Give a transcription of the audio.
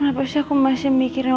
kenapa sih aku masih mikirnya